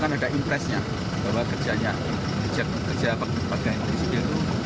kan ada impresnya bahwa kerjanya kerja kerja bagai bagai itu